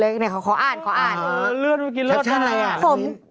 เลยเนี่ยขออ่านขออ่านอ่าเลือดเมื่อกี้เลือดใช่ผมอ๋อ